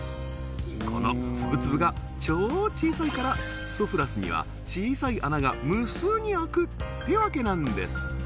この粒々が超小さいからソフラスには小さい穴が無数にあくってわけなんです